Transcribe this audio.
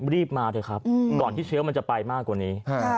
รีบมาเดี๋ยวก่อนที่เชื้อจะไปมากกว่านี้